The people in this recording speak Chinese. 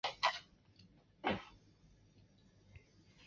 他是流亡登丹人皇族最高君王伊兰迪尔的次子。